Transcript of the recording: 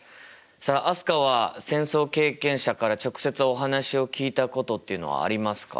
さあ飛鳥は戦争経験者から直接お話を聞いたことっていうのはありますか？